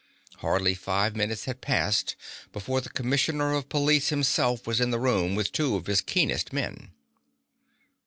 Hardly five minutes had passed before the commissioner of police himself was in the room with two of his keenest men.